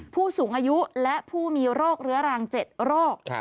ผู้สูงอายุและผู้มีโรคเรื้อรัง๗โรค